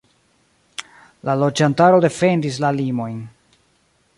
La loĝantaro defendis la limojn.